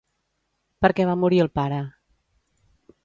Per què va morir el pare?